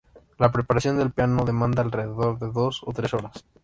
La preparación del piano demanda alrededor de dos o tres horas.